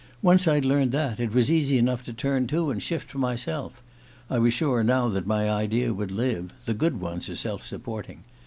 Once I'd learned that, it was easy enough to turn to and shift for myself. I was sure now that my idea would live: the good ones are self supporting.